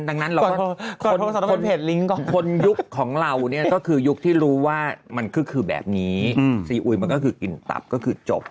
ดังนั้นเราก็คนยุคของเราเนี่ยก็คือยุคที่รู้ว่ามันก็คือแบบนี้ซีอุยมันก็คือกลิ่นตับก็คือจบ